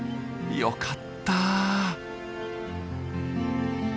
よかった。